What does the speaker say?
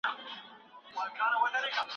محدودیتونه د هغوی له خوا منل سوي دي.